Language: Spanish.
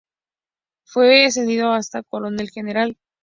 Fue ascendido hasta coronel general.